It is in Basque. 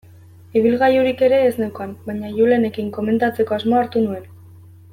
Ibilgailurik ere ez neukan, baina Julenekin komentatzeko asmoa hartu nuen.